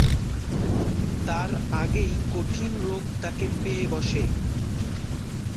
তার আগেই কঠিন রোগ তাকে পেয়ে বসে।